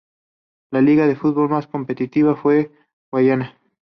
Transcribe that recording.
La liga de fútbol más competitiva de Guyana.